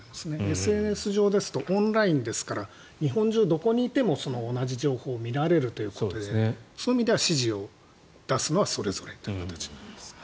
ＳＮＳ上ですとオンラインですから日本中どこにいても同じ情報を見られるということでそういう意味では指示を出すのはそれぞれということです。